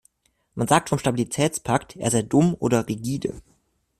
Man sagt vom Stabilitätspakt, er sei dumm oder rigide.